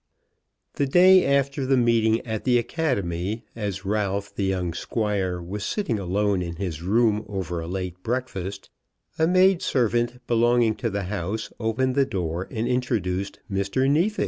The day after the meeting at the Academy, as Ralph, the young Squire, was sitting alone in his room over a late breakfast, a maid servant belonging to the house opened the door and introduced Mr. Neefit.